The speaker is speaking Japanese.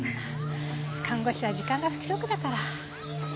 看護師は時間が不規則だから。